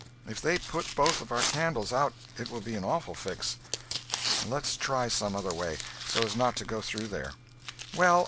If they put our candles out it will be an awful fix. Let's try some other way, so as not to go through there." "Well.